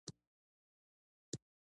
زه د مطالعې وخت منظم کوم.